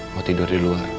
mau tidur di luar